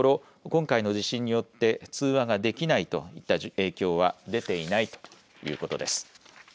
今回の地震によって通話ができないといった影響は出ていないということです。